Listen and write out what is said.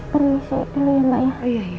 permisi dulu ya mbak ya